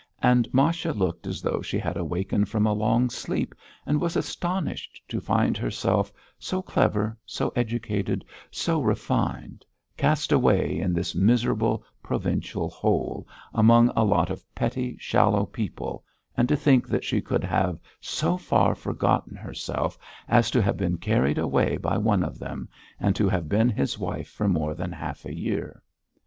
And Masha looked as though she had wakened from a long sleep and was astonished to find herself, so clever, so educated, so refined, cast away in this miserable provincial hole, among a lot of petty, shallow people, and to think that she could have so far forgotten herself as to have been carried away by one of them and to have been his wife for more than half a year.